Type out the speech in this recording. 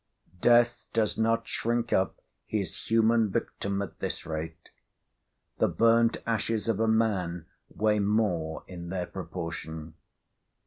Death does not shrink up his human victim at this rate. The burnt ashes of a man weigh more in their proportion.